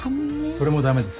それも駄目です。